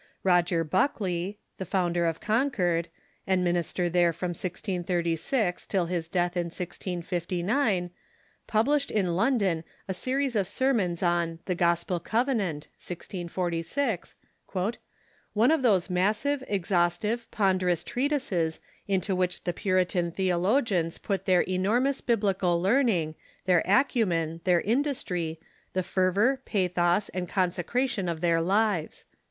Peter Bulkley, the founder of Concord, and minister there from 1636 till his death in 1659, published in London a series of sermons on "The Gospel Covenant" (1646), "one of those massive, ex haustive, ponderous treatises into which the Puritan theo logians put their enormous Biblical learning, their acumen, their industry, the fervor, pathos, and consecration of their lives."